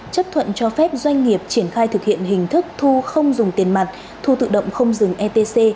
chấp thuận cho phép doanh nghiệp triển khai thực hiện hình thức thu không dùng tiền mặt thu tự động không dừng etc